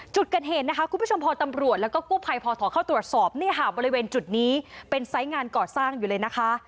จุดเกิดเหตุนะคะคุณผู้ชมพอตำรวจแล้วก็กู้ภัยพอถอเข้าตรวจสอบเนี่ยค่ะบริเวณจุดนี้เป็นไซส์งานก่อสร้างอยู่เลยนะคะ